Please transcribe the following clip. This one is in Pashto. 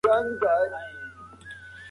د کلا په منځ کې یو شین باغچه وه.